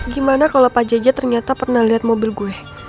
gimana kalau pak jj ternyata pernah lihat mobil gue